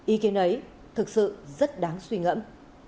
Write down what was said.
ý kiến ấy thực sự rất đáng suy ngẫm